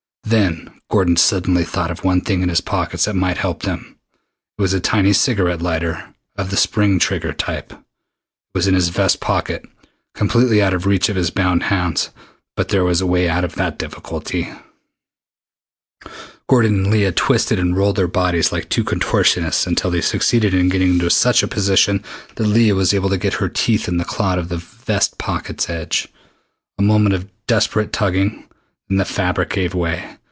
Then Gordon suddenly thought of the one thing in his pockets that might help them. It was a tiny cigarette lighter, of the spring trigger type. It was in his vest pocket completely out of reach of his bound hands, but there was a way out of that difficulty. Gordon and Leah twisted and rolled their bodies like two contortionists until they succeeded in getting into such a position that Leah was able to get her teeth in the cloth of the vest pocket's edge. A moment of desperate tugging, then the fabric gave way.